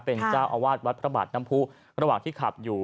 เป็นเจ้าอาวาสวัดพระบาทน้ำผู้ระหว่างที่ขับอยู่